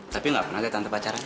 tapi nggak pernah ada tante pacaran